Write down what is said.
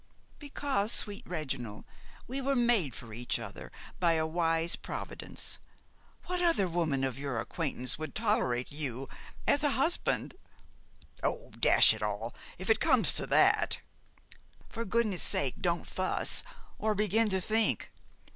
"Because, sweet Reginald, we were made for each other by a wise Providence. What other woman of your acquaintance would tolerate you as a husband?" "Oh, dash it all! if it comes to that " "For goodness' sake, don't fuss, or begin to think.